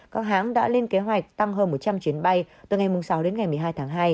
các hãng đã lên kế hoạch tăng hơn một trăm linh chuyến bay từ ngày sáu đến ngày một mươi hai tháng hai